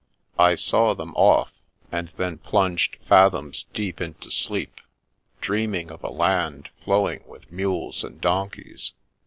I saw them off, and then plunged fathoms deep into sleep, dreaming of a land flowing with mules and donkeys.